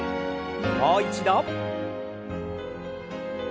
もう一度。